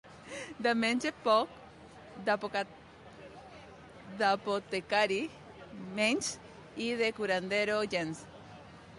De metge, poc; d'apotecari, menys, i de curandero, gens.